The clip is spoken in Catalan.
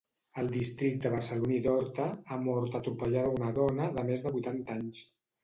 Al districte barceloní d'Horta ha mort atropellada una dona de més de vuitanta anys.